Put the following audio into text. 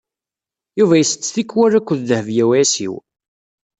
Yuba isett tikkwal akked Dehbiya u Ɛisiw.